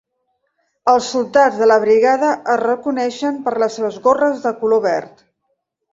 Els soldats de la brigada es reconeixen per les seves gorres de color verd.